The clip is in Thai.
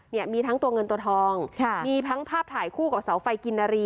เนี่ยมีทั้งตัวเงินตัวทองค่ะมีทั้งภาพถ่ายคู่กับเสาไฟกินนารี